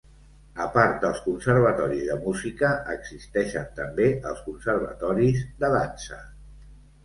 A part dels conservatoris de música existeixen també els conservatoris de dansa.